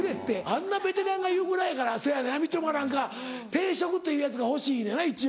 あんなベテランが言うぐらいやからせやなみちょぱなんかていしょくというやつが欲しいのやな一応。